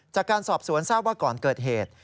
จากการสอบสวนทราบว่าก่อนเกิดเหตุ